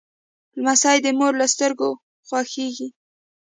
لمسی د مور له سترګو خوښیږي.